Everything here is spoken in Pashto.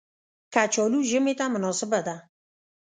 کچالو ژمي ته مناسبه ده